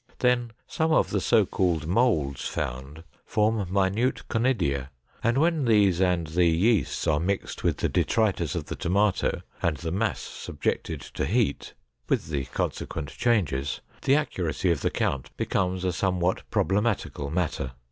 Then, some of the so called molds found form minute conidia and when these and the yeasts are mixed with the detritus of the tomato and the mass subjected to heat, with the consequent changes, the accuracy of the count becomes a somewhat problematical matter.